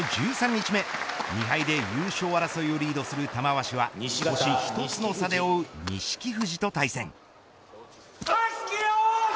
１３日目２敗で優勝争いをリードする玉鷲は星１つの差で追う錦富士と対戦。